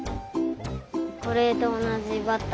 これとおなじバッタ。